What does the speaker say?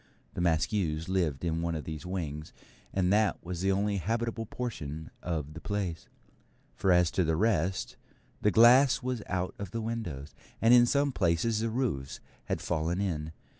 The Maskews lived in one of these wings, and that was the only habitable portion of the place; for as to the rest, the glass was out of the windows, and in some places the roofs had fallen in.